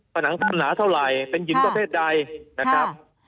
ผนังหนาเท่าไหร่เป็นหญิงประเภทใดนะครับ